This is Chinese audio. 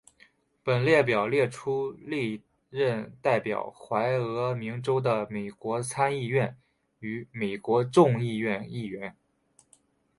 本列表列出历任代表怀俄明州的美国参议院与美国众议院议员。